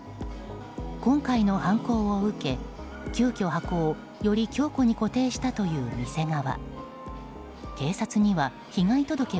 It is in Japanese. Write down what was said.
今回の犯行を受け急きょ、箱をより強固に固定したという店側。